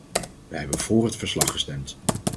Wij hebben vóór het verslag gestemd.